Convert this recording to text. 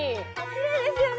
きれいですよね。